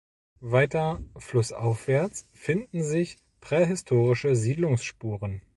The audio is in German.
Weiter flussaufwärts finden sich prähistorische Siedlungsspuren.